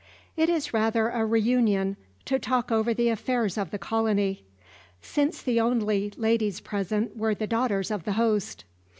It is rather a re union to talk over the affairs of the colony; hence the only ladies present were the daughters of the host.